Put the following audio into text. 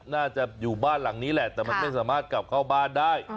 น่าจะอยู่บ้านหลังนี้แหละแต่มันไม่สามารถกลับเข้าบ้านได้